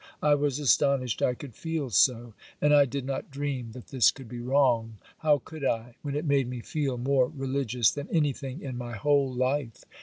I was astonished I could feel so; and I did not dream that this could be wrong. How could I, when it made me feel more religious than anything in my whole life?